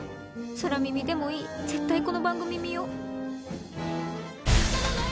空耳でもいい絶対この番組見よう。